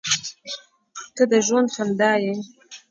• ته د ژوند خندا یې.